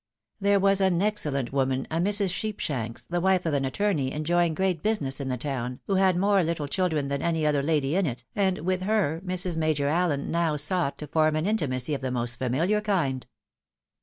There was an excellent woman, a Mrs. Sheepshanks, the wife of an attorney, enjoying great business in the town, who had more little children than any other lady in it, and with her, Mrs. Major Allen now sought to form an intimacy of the most famifiar kind.